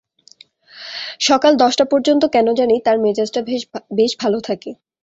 সকাল দশটা পর্যন্ত কেন জানি তাঁর মেজাজ বেশ ভালো থাকে।